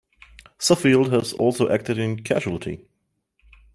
Suffield has also acted in "Casualty".